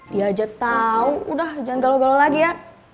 diajak tau udah jangan galau galau lagi ya